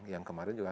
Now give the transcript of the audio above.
yang kemarin juga